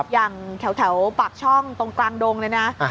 อย่างแถวปากช่องตรงกลางดงเลยนะ